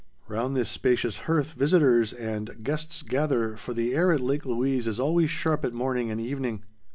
Round this spacious hearth visitors and guests gather, for the air at Lake Louise is always sharp at morning and evening.